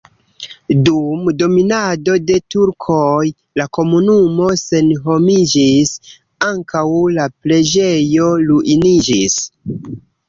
Dum dominado de turkoj la komunumo senhomiĝis, ankaŭ la preĝejo ruiniĝis.